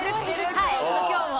はい今日も。